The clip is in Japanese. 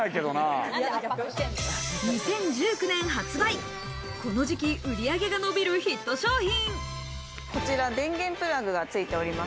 ２０１９年発売、この時期売り上げが伸びるヒット商品。